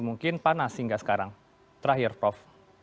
mungkin panas hingga sekarang terakhir prof